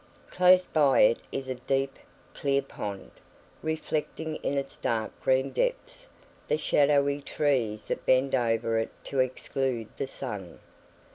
Close by it is a deep, clear pond, reflecting in its dark green depths the shadowy trees that bend over it to exclude the sun.